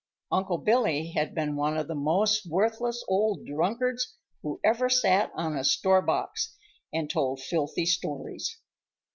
Uncle Billy had been one of the most worthless old drunkards who ever sat on a store box and told filthy stories.